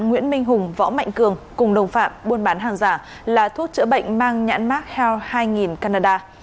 nguyễn minh hùng võ mạnh cường cùng đồng phạm buôn bán hàng giả là thuốc chữa bệnh mang nhãn mark health hai canada